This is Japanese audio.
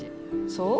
そう？